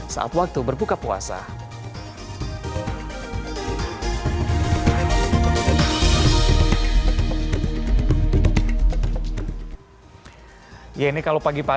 saat waktu berbuka puasa